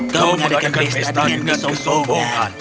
kau mengadakan pesta dengan kesombongan